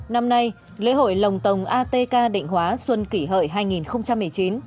năm nay lễ hội lồng tồng atk định hóa xuân kỷ hợi hai nghìn một mươi chín